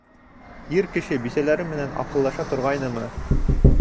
Ир кеше бисәләре менән аҡыллаша торғайнымы?